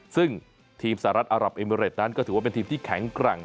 ซึ่งทีมสหรัฐอารับเอมิเรตนั้นก็ถือว่าเป็นทีมที่แข็งแกร่ง